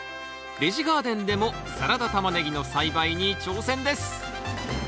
ベジガーデンでもサラダタマネギの栽培に挑戦です！